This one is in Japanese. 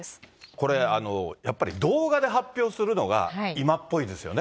これ、やっぱり、動画で発表するのが、今っぽいですよね。